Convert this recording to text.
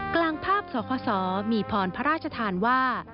กลางภาพซ้อกษมีพรพระราชธานว่า